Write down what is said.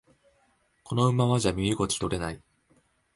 このままじゃ身動き取れない